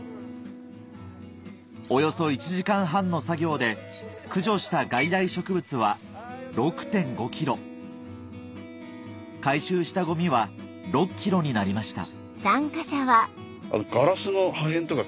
およそ１時間半の作業で駆除した外来植物は６．５ｋｇ回収したゴミは６ｋｇになりました